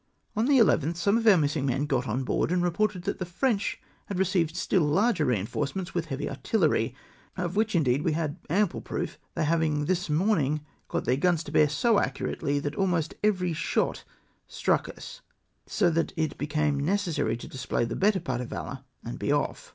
On the 11th some of our missing men got on board, and reported that the French had recei\ed still larger reinforcements, with heavy artillery, of which, indeed, we had ample proof, they havmg this morning got their guns to bear so accurately, that almost every shot struck us, so that it became necessary to display the better part of valour, and be off.